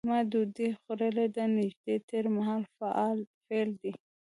ما ډوډۍ خوړلې ده نږدې تېر مهال فعل دی.